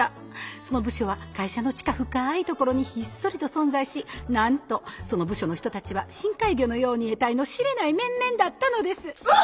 その部署は会社の地下深いところにひっそりと存在しなんとその部署の人たちは深海魚のようにえたいの知れない面々だったのです！